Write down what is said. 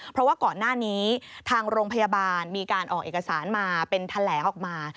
เพราะว่าก่อนหน้านี้ทางโรงพยาบาลมีการออกเอกสารมาเป็นแถลงออกมา